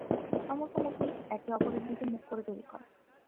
সমস্ত মূর্তি একে অপরের দিকে মুখ করে তৈরী করা।